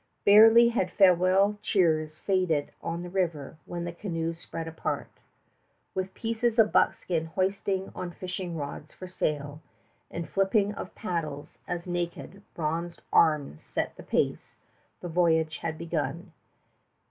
Barely had farewell cheers faded on the river, when the canoes spread apart. With pieces of buckskin hoisted on fishing rods for sail, and a flipping of paddles as naked, bronzed arms set the pace, the voyage had begun.